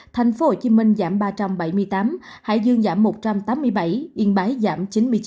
thành phố hồ chí minh giảm ba trăm bảy mươi tám hải dương giảm một trăm tám mươi bảy yên bái giảm chín mươi chín